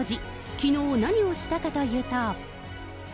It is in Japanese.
きのう、何をしたかというと。